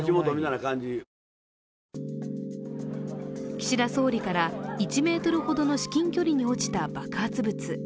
岸田総理から１ｍほどの至近距離に落ちた爆発物。